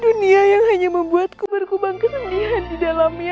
dunia yang hanya membuatku berkubang kesedihan di dalamnya